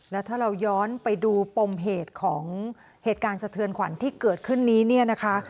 แล้วถ้าเราย้อนไปดูปมเหตุของเหตุการณ์สะเทือนขวัญที่เกิดขึ้นนี้เนี่ยนะคะ